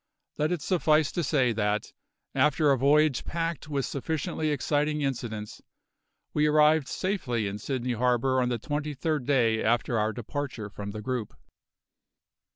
Let it suffice to say that, after a voyage packed with sufficiently exciting incidents, we arrived safely in Sydney harbour on the twenty third day after our departure from the group.